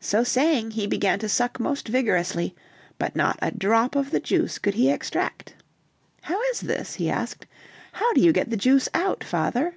So saying, he began to suck most vigorously, but not a drop of the juice could he extract. "How is this?" he asked. "How do you get the juice out, father?"